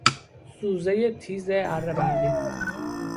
زوزهی تیز اره برقی